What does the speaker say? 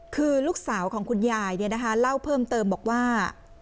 คือลูกสาวของคุณยายเล่าเพิ่มเติมบอกว่า